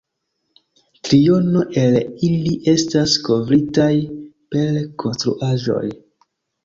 Triono el ili estas kovritaj per konstruaĵoj.